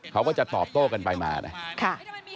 เขาก็จะตอบโต้กันไปมานะ